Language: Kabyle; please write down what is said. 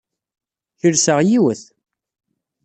Kelseɣ yiwet.